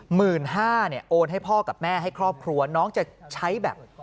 หมื่นห้าเนี่ยโอนให้พ่อกับแม่ให้ครอบครัวน้องจะใช้แบบ